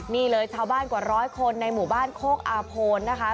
นี่เลยชาวบ้านกว่าร้อยคนในหมู่บ้านโคกอาโพนนะคะ